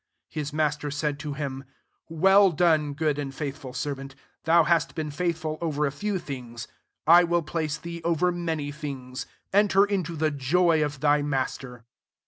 21 His master said to him, * Well done, good and faithful servant : thou hast been faithful over a few things, I will place thee over many things : enter into the joy of thy master.'